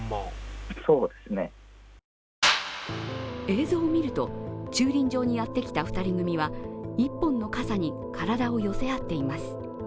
映像を見ると、駐輪場にやってきた２人組は１本の傘に体を寄せ合っています。